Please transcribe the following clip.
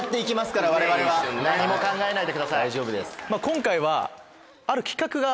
今回は。